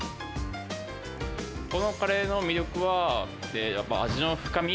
このカレーの魅力は、やっぱ味の深み。